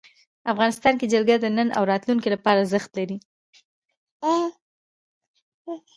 افغانستان کې جلګه د نن او راتلونکي لپاره ارزښت لري.